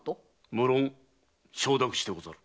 無論承諾してござる。